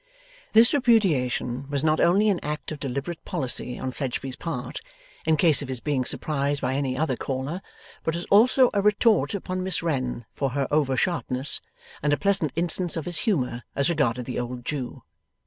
This repudiation was not only an act of deliberate policy on Fledgeby's part, in case of his being surprised by any other caller, but was also a retort upon Miss Wren for her over sharpness, and a pleasant instance of his humour as regarded the old Jew.